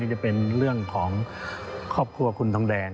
จะเป็นเรื่องของครอบครัวคุณทองแดง